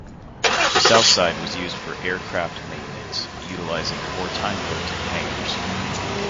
The southside was used for aircraft maintenance, utilising wartime-built hangars.